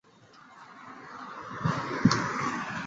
曼彻斯特是位于美国阿拉巴马州沃克县的一个非建制地区。